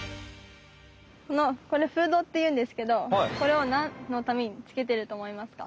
このこのフードっていうんですけどこれをなんのためにつけてるとおもいますか？